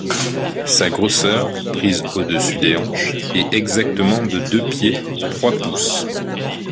Sa grosseur, prise au-dessus des hanches, est exactement de deux pieds, trois pouces.